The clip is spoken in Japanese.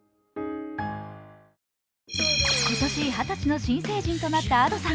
今年二十歳の新成人となったＡｄｏさん。